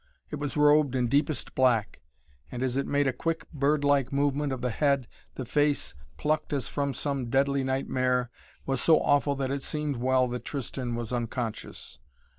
It was robed in deepest black, and as it made a quick bird like movement of the head, the face, plucked as from some deadly nightmare, was so awful that it seemed well that Tristan was unconscious.